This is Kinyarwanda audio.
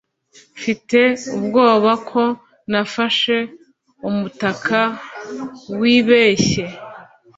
mfite ubwoba ko nafashe umutaka wibeshye